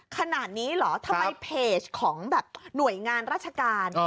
ขนาดนี้เหรอทำไมเพจของแบบหน่วยงานราชการ